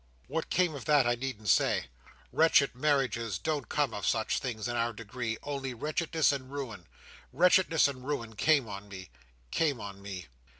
"What came of that, I needn't say. Wretched marriages don't come of such things, in our degree; only wretchedness and ruin. Wretchedness and ruin came on me—came on me."